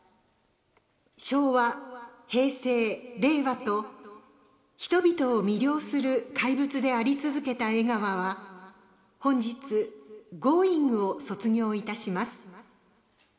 昭和、平成、令和と人々を魅了する怪物であり続けた江川は本日「Ｇｏｉｎｇ！」を卒業致します。